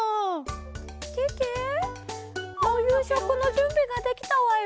けけおゆうしょくのじゅんびができたわよ。